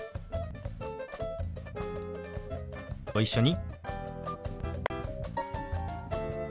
ご一緒に。